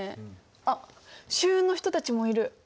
あっ舟運の人たちもいる。